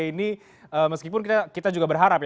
ini meskipun kita juga berharap ya